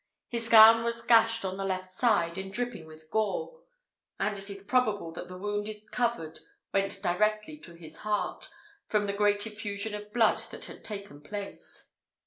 His gown was gashed on the left side, and dripping with gore; and it is probable that the wound it covered went directly to his heart, from the great effusion of blood that had taken place.